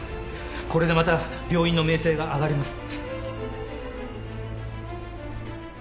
これでまた病院の名声が上がります。